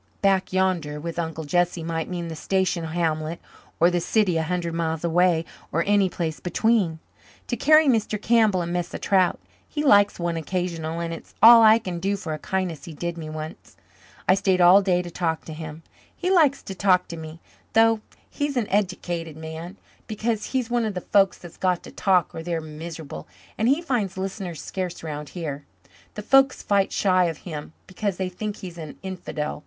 "Back yander" with Uncle Jesse might mean the station hamlet or the city a hundred miles away or any place between "to carry Mr. Kimball a mess of trout. He likes one occasional and it's all I can do for a kindness he did me once. I stayed all day to talk to him. He likes to talk to me, though he's an eddicated man, because he's one of the folks that's got to talk or they're miserable, and he finds listeners scarce 'round here. The folks fight shy of him because they think he's an infidel.